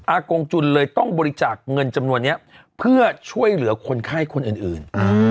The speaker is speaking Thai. กงจุนเลยต้องบริจาคเงินจำนวนนี้เพื่อช่วยเหลือคนไข้คนอื่น